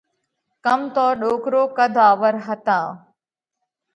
ڪم تو ڏوڪرو قڌ آور هتا۔